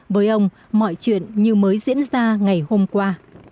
với ông mọi chuyện như mới diễn ra ngày hôm qua